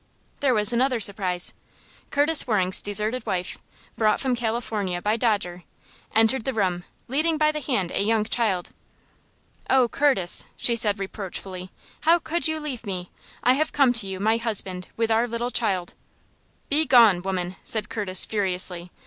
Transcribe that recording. There was another surprise. Curtis Waring's deserted wife, brought from California by Dodger, entered the room, leading by the hand a young child. "Oh, Curtis," she said, reproachfully. "How could you leave me? I have come to you, my husband, with our little child." "Begone! woman!" said Curtis, furiously.